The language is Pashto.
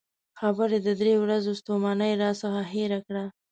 خبرو د درې ورځو ستومانۍ راڅخه هېره کړه.